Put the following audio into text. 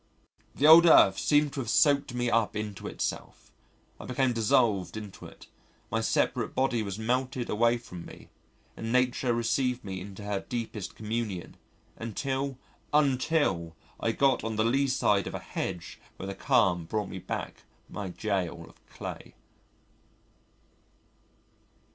The old earth seemed to have soaked me up into itself, I became dissolved into it, my separate body was melted away from me, and Nature received me into her deepest communion until, UNTIL I got on the lee side of a hedge where the calm brought me back my gaol of clay.